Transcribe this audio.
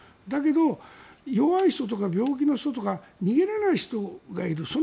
だけど、弱い人とか病気の人とか逃げられない人がいる。